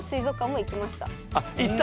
あっ行った？